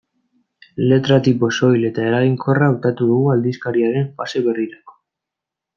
Letra-tipo soil eta eraginkorra hautatu dugu aldizkariaren fase berrirako.